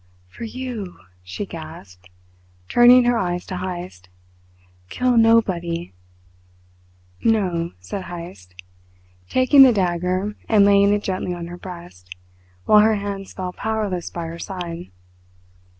"For you," she gasped, turning her eyes to Heyst. "Kill nobody." "No," said Heyst, taking the dagger and laying it gently on her breast, while her hands fell powerless by her side.